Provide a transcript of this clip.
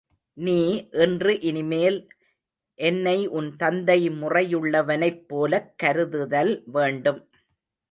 நீ இன்று இனிமேல் என்னை உன் தந்தை முறையுள்ளவனைப் போலக் கருதுதல் வேண்டும்.